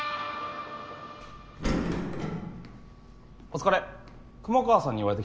お疲れ。